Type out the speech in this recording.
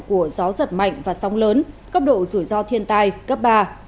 của gió giật mạnh và sóng lớn cấp độ rủi ro thiên tai cấp ba